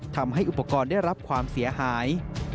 ทำให้อุปกรณ์ได้รับความเสียหาย